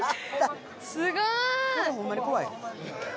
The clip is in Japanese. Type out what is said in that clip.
すごい！